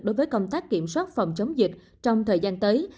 đối với công tác kiểm soát phòng chống dịch trong thời gian tới